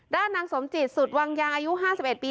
นางสมจิตสุดวังยางอายุ๕๑ปี